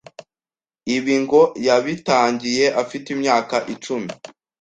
Ibi ngo yabitangiye afite imyaka icumi